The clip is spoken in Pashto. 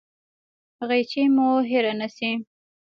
غیچي مو هیره نه شي